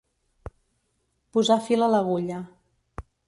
Posar fil a l'agulla.